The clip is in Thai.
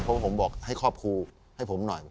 เพราะว่าผมบอกให้ครอบครูให้ผมหน่อย